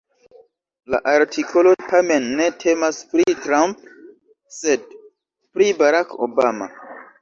La artikolo tamen ne temas pri Trump, sed pri Barack Obama.